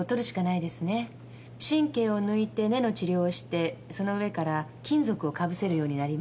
神経を抜いて根の治療をしてその上から金属をかぶせるようになります。